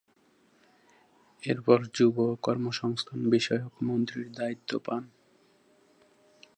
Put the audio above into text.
এরপর যুব ও কর্মসংস্থান বিষয়ক মন্ত্রীর দায়িত্ব পান।